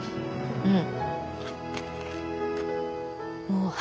うん？